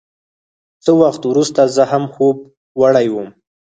څه وخت وروسته زه هم خوب وړی وم.